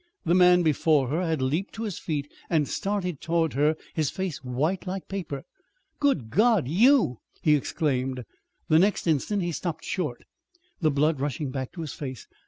The man before her had leaped to his feet and started toward her, his face white like paper. "Good God! you!" he exclaimed. The next instant he stopped short, the blood rushing back to his face.